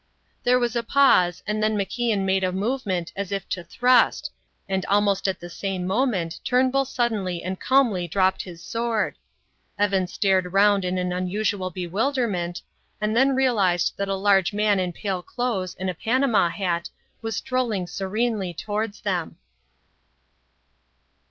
There was a pause, and then MacIan made a movement as if to thrust, and almost at the same moment Turnbull suddenly and calmly dropped his sword. Evan stared round in an unusual bewilderment, and then realized that a large man in pale clothes and a Panama hat was strolling serenely towards them.